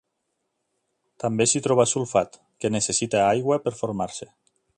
També s'hi trobà sulfat, que necessita aigua per formar-se.